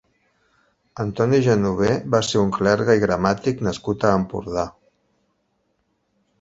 Antoni Genover va ser un clergue i gramàtic nascut a Empordà.